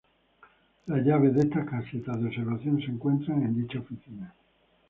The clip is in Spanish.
Las llaves de estas casetas de observación se encuentran en dicha oficina.